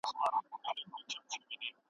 مُلاصاحب کافر شولې آمروز په سجده کې